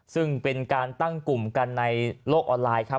ซึ่งเป็นการตั้งกลุ่มกันในโลกออนไลน์ครับ